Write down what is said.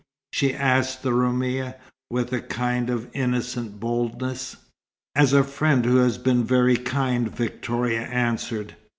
she asked the Roumia, with a kind of innocent boldness. "As a friend who has been very kind," Victoria answered.